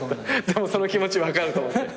でもその気持ち分かると思って。